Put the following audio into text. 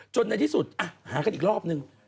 ในที่สุดหากันอีกรอบนึง